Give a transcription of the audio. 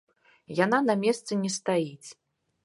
Яна на месцы не стаіць.